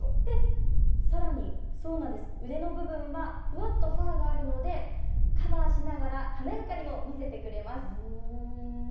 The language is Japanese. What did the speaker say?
さらに、腕の部分はふわっとファーがあるので、カバーしながら華やかにも見せてくれます。